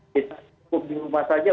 kita cukup di rumah saja